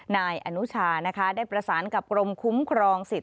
นายอนุชานะคะได้ประสานกับกรมคุ้มครองสิทธ